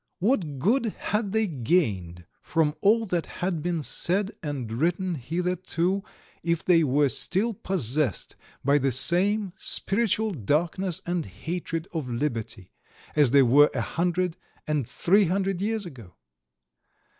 What good had they gained from all that had been said and written hitherto if they were still possessed by the same spiritual darkness and hatred of liberty, as they were a hundred and three hundred years ago?